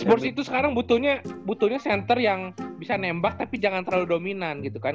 sports itu sekarang butuhnya center yang bisa nembak tapi jangan terlalu dominan gitu kan